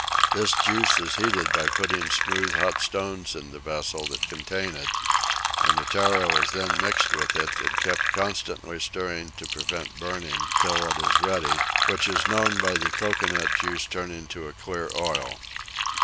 This juice is heated by putting smooth hot stones in the vessel that contains it, and the tarro is then mixed with it and kept constantly stirring to prevent burning till it is ready, which is known by the coconut juice turning to a clear oil.